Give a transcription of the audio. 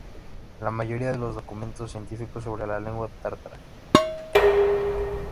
La mayoría de los documentos científicos sobre la lengua tártara.